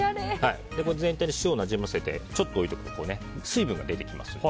全体に塩をなじませてちょっと置いておくと水分が出てきます。